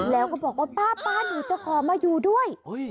แล้วก็บอกว่าป้าหนูจะขอมาอยู่ด้วย